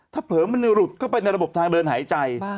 ถ้าเผลอมันหลุดเข้าไปในระบบทางเดินหายใจ